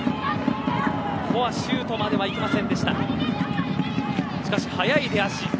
ここはシュートまではいけませんでした。